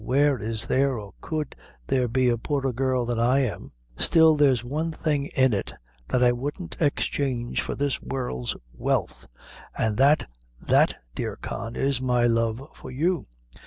where is there or could' there be a poorer girl than I am; still there's one thing in it that I wouldn't exchange for this world's wealth; an' that, that, dear Con, is my love for you!